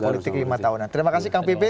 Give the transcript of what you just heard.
politik lima tahunan terima kasih kang pipin